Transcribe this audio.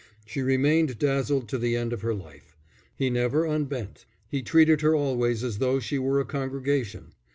She remained dazzled to the end of her life. He never unbent. He treated her always as though she were a congregation.